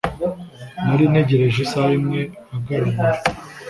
Nari ntegereje isaha imwe agaragara.